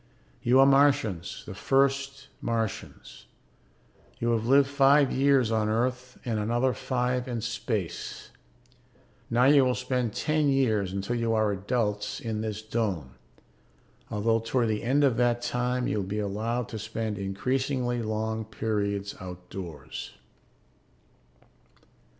You are Martians, the first Martians. You have lived five years on Earth and another five in space. Now you will spend ten years, until you are adults, in this dome, although toward the end of that time you will be allowed to spend increasingly long periods outdoors.